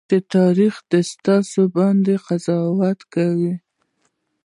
چې تاريخ به تاسو باندې قضاوت کوي.